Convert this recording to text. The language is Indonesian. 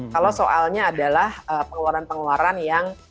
kalau soalnya adalah pengeluaran pengeluaran yang